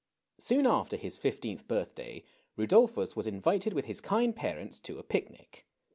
Soon after his fifteenth birthday, Rudolphus was invited with his kind parents to a picnic.